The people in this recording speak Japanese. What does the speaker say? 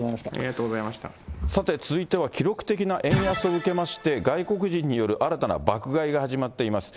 さて続いては、記録的な円安を受けまして、外国人による新たな爆買いが始まっています。